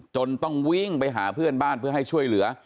ต้องวิ่งไปหาเพื่อนบ้านเพื่อให้ช่วยเหลือ